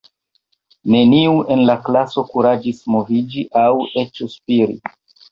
Neniu en la klaso kuraĝis moviĝi aŭ eĉ spiri.